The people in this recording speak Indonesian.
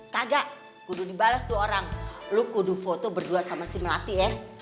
kagak kudu dibalas tuh orang lo kudu foto berdua sama si melati ya